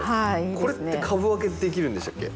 これって株分けできるんでしたっけ？